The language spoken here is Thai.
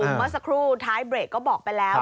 เมื่อสักครู่ท้ายเบรกก็บอกไปแล้ว